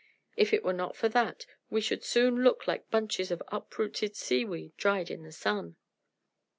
If it were not for that, we should soon look like bunches of uprooted seaweed dried in the sun."